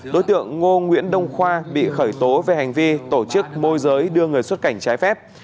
đối tượng ngô nguyễn đông khoa bị khởi tố về hành vi tổ chức môi giới đưa người xuất cảnh trái phép